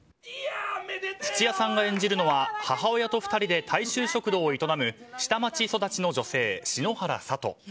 土屋さんが演じるのは母親と２人で大衆食堂を営む下町育ちの女性篠原佐都。